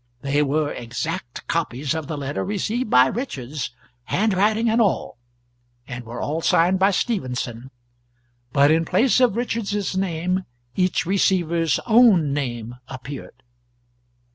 They were exact copies of the letter received by Richards handwriting and all and were all signed by Stephenson, but in place of Richards's name each receiver's own name appeared.